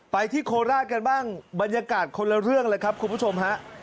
ที่โคราชกันบ้างบรรยากาศคนละเรื่องเลยครับคุณผู้ชมฮะ